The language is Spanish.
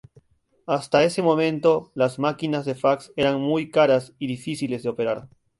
Hasta ese momento las máquinas de fax eran muy caras y difíciles de operar.